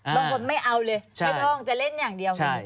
บางคนไม่เอาเลยไม่ท่องจะเล่นอย่างเดียว